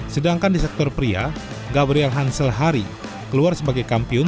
sedangkan di sektor pria gabriel hansel hari keluar sebagai kampiun